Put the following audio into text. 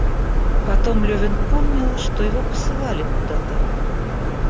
Потом Левин помнил, что его посылали куда-то.